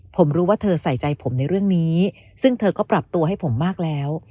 ผมรู้ว่าเธอใส่ใจผมในเรื่องนี้ซึ่งเธอก็ปรับตัวให้ผมมากแล้ว